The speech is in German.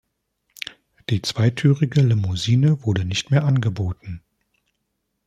Die zweitürige Limousine wurde nicht mehr angeboten.